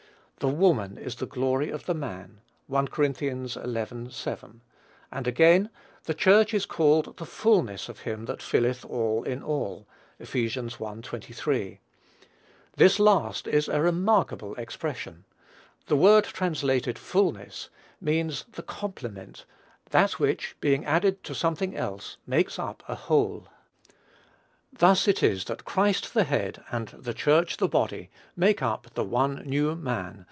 "The woman is the glory of the man." (1 Cor. xi. 7.) And again, the Church is called "the fulness of him that filleth all in all." (Eph. i. 23.) This last is a remarkable expression. The word translated "fulness" means the complement, that which, being added to something else, makes up a whole. Thus it is that Christ the Head, and the Church the body, make up the "one new man."